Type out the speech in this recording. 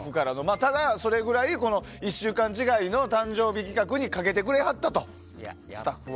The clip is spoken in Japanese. ただ、それくらい１週間違いの誕生日企画にかけてくれはったと、スタッフは。